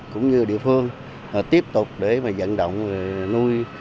cũng như địa phương tiếp tục để mà dẫn động nuôi